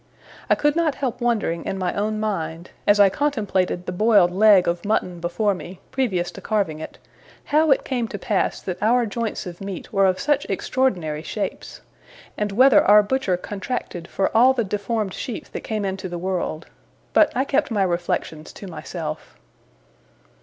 I could not help wondering in my own mind, as I contemplated the boiled leg of mutton before me, previous to carving it, how it came to pass that our joints of meat were of such extraordinary shapes and whether our butcher contracted for all the deformed sheep that came into the world; but I kept my reflections to myself.